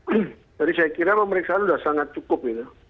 jadi saya kira pemeriksaan sudah sangat cukup